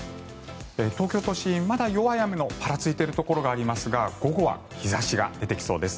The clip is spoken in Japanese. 東京都心、まだ弱い雨のぱらついているところがありますが午後は日差しが出てきそうです。